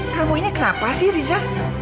kamu ini kenapa sih rizah